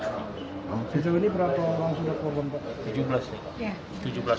sejauh ini berapa orang sudah kebom